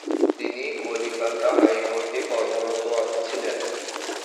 তিনি কলিকাতা হাইকোর্টে কর্মরত ছিলেন।